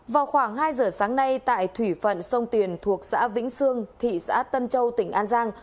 vào khoảng hai giờ sáng nay tại thủy phận sông tiền thuộc xã vĩnh sương thị xã tân châu tỉnh an giang